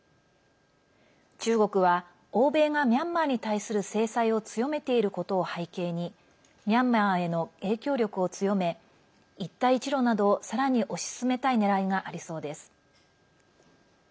中国は欧米がミャンマーに対する制裁を強めていることを背景にミャンマーへの影響力を強め一帯一路などをさらに推し進めたいねらいがありそうです。